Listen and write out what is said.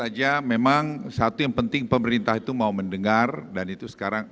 saja memang satu yang penting pemerintah itu mau mendengar dan itu sekarang